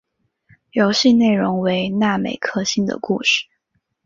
游戏内容为那美克星的故事。